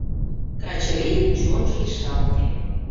Качырийын чонжо ишалте.